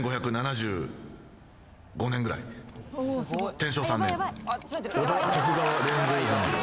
天正３年。